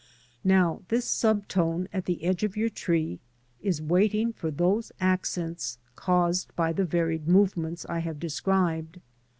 Now this sub tone at the edge of your tree is waiting for those accents caused by the varied movements I have described.